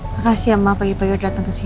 makasih ya mbak pagi pagi udah datang kesini